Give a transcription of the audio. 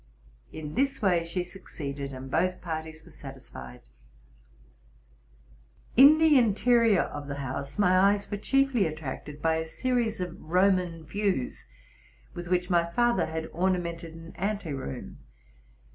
In this way she succeeded, and both parties were satisfied. In the interior of the house my eyes were chiefly attracted by a series of Roman views, with which my father had orna mented an ante room.